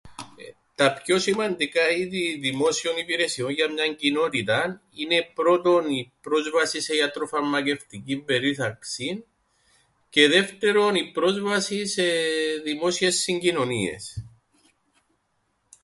Τα πιο σημαντικά είδη δημόσιων υπηρεσιών για μιαν κοινότηταν είναι πρώτον η πρόσβαση σε ιατροφαρμακευτικήν περίθαλψην και δεύτερον η πρόσβαση σε δημόσιες συγκοινωνίες.